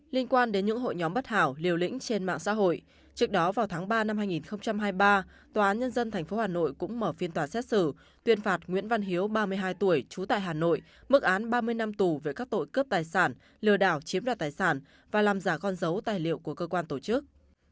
liên quan đến những hội nhóm bất hảo liều lĩnh trên mạng xã hội trước đó vào tháng ba năm hai nghìn hai mươi ba tòa án nhân dân tp hà nội cũng mở phiên tòa xét xử tuyên phạt nguyễn văn hiếu ba mươi hai tuổi trú tại hà nội mức án ba mươi năm tù về các tội cướp tài sản lừa đảo chiếm đoạt tài sản và làm giả con dấu tài liệu của cơ quan tổ chức